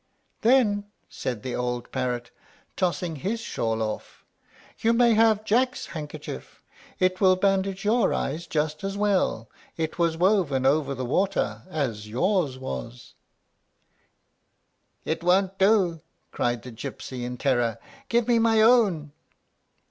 "Then," said the old parrot, tossing his shawl off, "you may have Jack's handkerchief; it will bandage your eyes just as well. It was woven over the water, as yours was." "It won't do!" cried the gypsy, in terror; "give me my own."